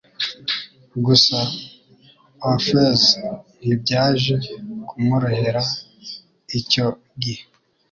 Gusa Orpheus ntibyaje kumworoherai cyo gihe